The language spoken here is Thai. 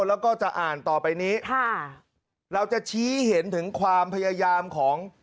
แล้วก็จะอ่านต่อไปนี้ค่ะเราจะชี้เห็นถึงความพยายามของ